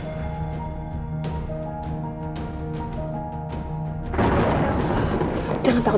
jangan takut jangan takut